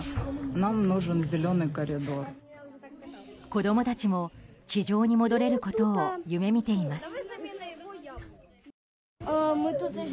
子供たちも地上に戻れることを夢見ています。